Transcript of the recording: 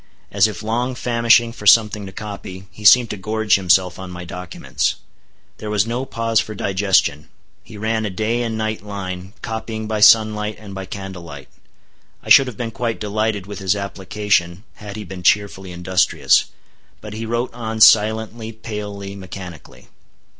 As if long famishing for something to copy, he seemed to gorge himself on my documents. There was no pause for digestion. He ran a day and night line, copying by sun light and by candle light. I should have been quite delighted with his application, had he been cheerfully industrious. But he wrote on silently, palely, mechanically.